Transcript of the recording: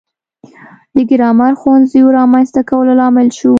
د ګرامر ښوونځیو رامنځته کولو لامل شو.